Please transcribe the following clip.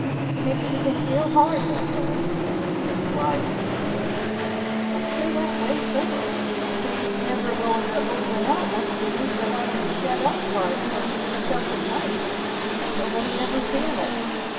Makes you think real hard, that does; leastways, makes me. What's they that way for? If they ain't never goin' to open out, what's the use o' havin' the shet up part so slicked up and nice, with nobody never seein' it?